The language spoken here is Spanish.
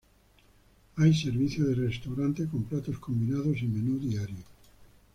Hay servicio de restaurante, con platos combinados y menú diario.